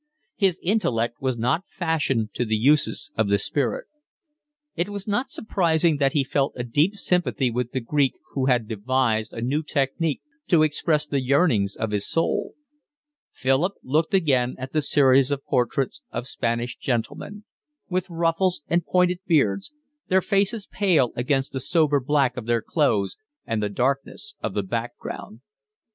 His intellect was not fashioned to the uses of the spirit. It was not surprising that he felt a deep sympathy with the Greek who had devised a new technique to express the yearnings of his soul. Philip looked again at the series of portraits of Spanish gentlemen, with ruffles and pointed beards, their faces pale against the sober black of their clothes and the darkness of the background.